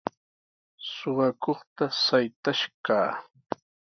Suqakuqta saytash kaa.